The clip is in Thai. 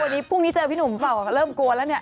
วันนี้พรุ่งนี้เจอพี่หนุ่มเปล่าก็เริ่มกลัวแล้วเนี่ย